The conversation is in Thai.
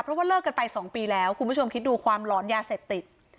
เพราะว่าเลิกกันไป๒ปีแล้วคุณผู้ชมคิดดูความหลอนยาเสพติด